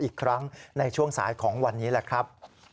อีกครั้งในช่วงสายของวันนี้แหละครับ